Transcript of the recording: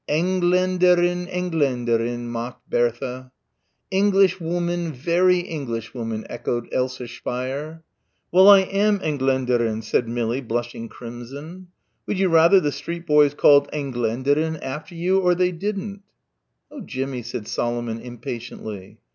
"Engländerin, Engländerin," mocked Bertha. "Englishwooman, very Englishwooman," echoed Elsa Speier. "Well, I am Engländerin," said Millie, blushing crimson. "Would you rather the street boys called Engländerin after you or they didn't?" "Oh, Jimmie," said Solomon impatiently.